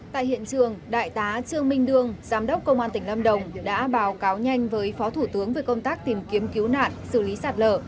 tại hiện trường đại tá trương minh đương giám đốc công an tỉnh lâm đồng đã báo cáo nhanh với phó thủ tướng về công tác tìm kiếm cứu nạn xử lý sạt lở